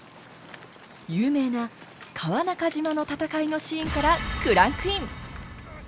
有名な川中島の戦いのシーンからクランクイン！